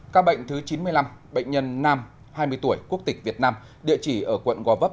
các bệnh thứ chín mươi năm bệnh nhân nam hai mươi tuổi quốc tịch việt nam địa chỉ ở quận gò vấp